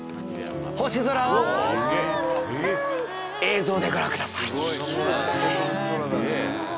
星空を映像でご覧ください。